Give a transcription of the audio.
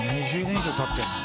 ２０年以上たってんだ。